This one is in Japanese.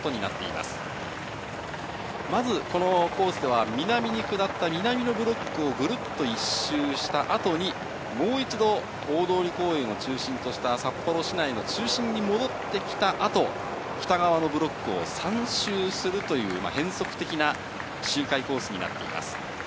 まず、このコースでは、南に下った南のブロックをぐるっと１周したあとに、もう一度、大通公園を中心とした札幌市内の中心に戻ってきたあと、北側のブロックを３周するという、変則的な周回コースになっています。